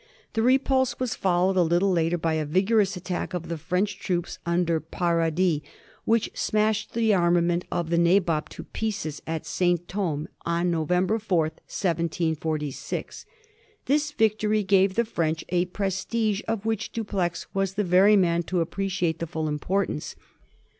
The repulse was fol lowed a little later by a vigorous attack of the French troops under Paradis, which smashed the armament of the Nabob to pieces at St. Thome on November 4, 1746. This victory gave the French a prestige of which Du pleix was the very man to appreciate the full importance.